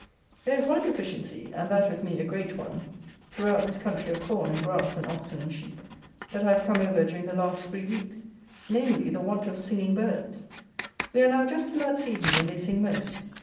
There is one deficiency, and that, with me, a great one, throughout this country of corn and grass and oxen and sheep, that I have come over during the last three weeks; namely, the want of singing birds. We are now just in that season when they sing most.